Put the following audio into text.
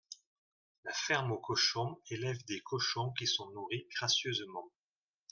La ferme aux cochons élève des cochons qui sont nourris gracieusement.